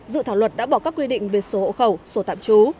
dự thảo luật đã bỏ các quy định về số hộ khẩu số tạm trú